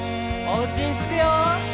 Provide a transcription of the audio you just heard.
「おうちにつくよ」